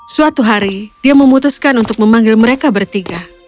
suatu hari dia memutuskan untuk memanggil mereka bertiga